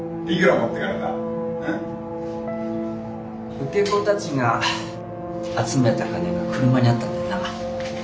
受け子たちが集めた金が車にあったんだよな？